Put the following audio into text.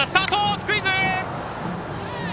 スクイズ。